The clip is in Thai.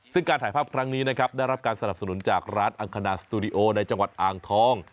ซึ่งการถ่ายภาพครั้งนี้นะครับได้รับการสนับสนุนจากร้านอังคณาสตูดิโอในจังหวัดอ่างทอง